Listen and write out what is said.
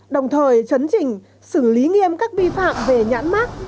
đồng thời chấn chỉnh xử lý nghiêm các vi phạm về nhãn mát